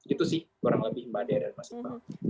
itu sih kurang lebih mbak dea dan mas iqbal